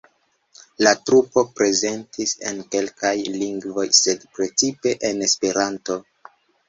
La trupo prezentis en kelkaj lingvoj, sed precipe en Esperanto.